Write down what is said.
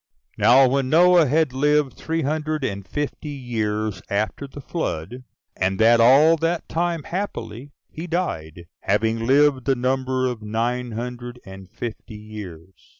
9. Now when Noah had lived three hundred and fifty years after the Flood, and that all that time happily, he died, having lived the number of nine hundred and fifty years.